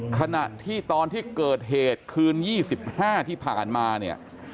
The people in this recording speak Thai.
ขณะที่ตอนที่เกิดเหตุคืน๒๕ที่ผ่านมาเนี่ย